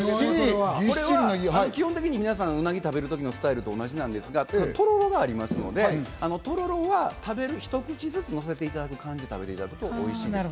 基本的に皆さん、うなぎを食べる時のスタイルと同じなんですが、とろろがありますので、とろろは食べるひと口ずつ混ぜていただく感じで食べていただくとおいしい。